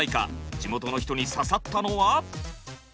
地元の人に刺さったのは？